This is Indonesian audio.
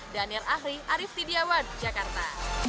danir ahri arief tidjawad jakarta